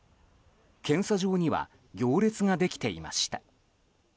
検査場には行列ができていました。